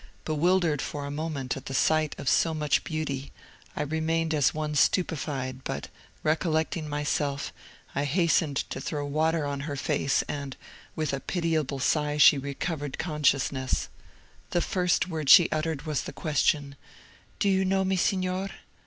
Bewildered for a moment at the sight of so much beauty, I remained as one stupified, but recollecting myself, I hastened to throw water on her face, and, with a pitiable sigh, she recovered consciousness. "The first word she uttered was the question, 'Do you know me, Signor?'